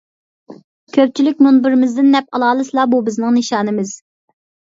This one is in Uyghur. كۆپچىلىك مۇنبىرىمىزدىن نەپ ئالالىسىلا بۇ بىزنىڭ نىشانىمىز.